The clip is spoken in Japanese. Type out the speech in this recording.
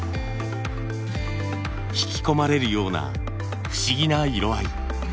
引き込まれるような不思議な色合い。